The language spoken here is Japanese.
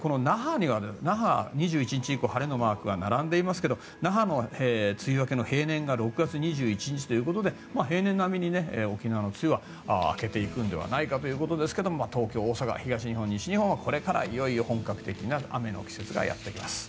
那覇は２１日以降晴れのマークが並んでいますが那覇の梅雨明けの平年が６月２１日ということで平年並みに沖縄の梅雨は明けていくのではないかということですが東京、大阪、東日本、西日本はこれからいよいよ本格的な雨の季節がやってきます。